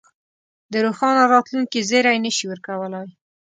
د روښانه راتلونکې زېری نه شي ورکولای.